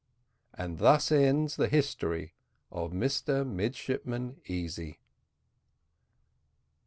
And thus ends the history of Mr Midshipman Easy.